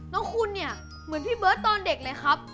น้องคุณเนี่ยเหมือนพี่เบิร์ตตอนเด็กเลยครับ